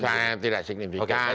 sangat tidak signifikan